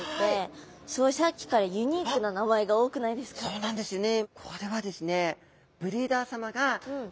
そうなんですよね。